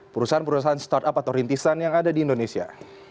perusahaan perusahaan startup atau rintisan yang ada di indonesia